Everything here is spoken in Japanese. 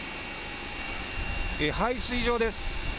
排水場です。